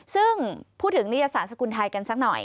ซึ่งพูดถึงนิยศาสกุลไทยกันสักหน่อย